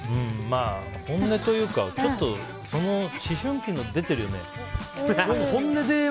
本音というかちょっと思春期の出てるよね。